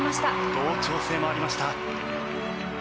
同調性もありました。